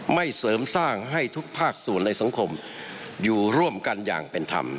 เสริมสร้างให้ทุกภาคส่วนในสังคมอยู่ร่วมกันอย่างเป็นธรรม